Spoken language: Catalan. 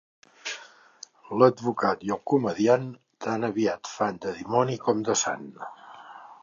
L'advocat i el comediant tan aviat fan de dimoni com de sant.